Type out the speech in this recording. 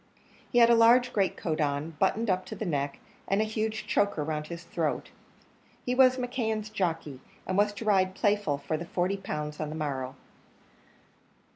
He had a large great coat on, buttoned up to the neck, and a huge choker round his throat. He was McKeon's jockey, and was to ride Playful for the forty pounds on the morrow.